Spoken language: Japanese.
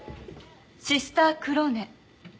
シスター・クローネ。